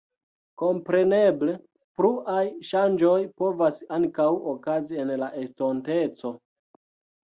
Kompreneble, pluaj ŝanĝoj povas ankaŭ okazi en la estonteco.